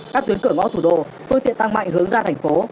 các tuyến cửa ngõ thủ đô phương tiện tăng mạnh hướng ra thành phố